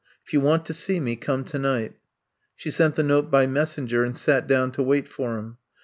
If you want to see me come tonight. '* She sent the note by messenger and sat down to wait for him.